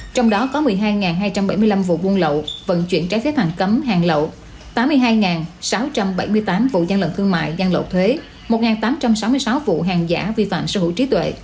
trong đó có một mươi hai hai trăm bảy mươi năm vụ buôn lậu vận chuyển trái phép hàng cấm hàng lậu tám mươi hai sáu trăm bảy mươi tám vụ gian lận thương mại gian lộ thuế một tám trăm sáu mươi sáu vụ hàng giả vi phạm sở hữu trí tuệ